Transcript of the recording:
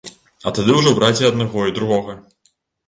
А тады ўжо браць і аднаго, і другога.